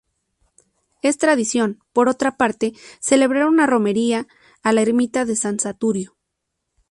Es tradición, por otra parte, celebrar una romería a la ermita de San Saturio.